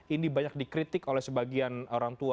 ini banyak dikritik oleh sebagian orang tua